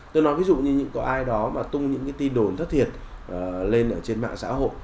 tôi nói ví dụ như có ai đó mà tung những cái tin đồn thất thiệt lên ở trên mạng xã hội